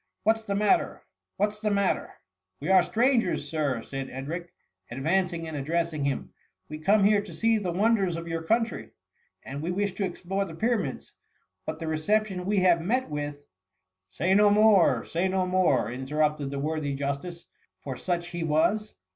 "What's the matter? what's the matter ?'^" We are strangers, Sir,'' said Edric, ad vandng and addressing him :" we come here to see the wonders of your country, and we wish to explore the Pyramids— but the recep tion we have met with ^Say no more — say no more !" interrupted the worthy justice, for such be was.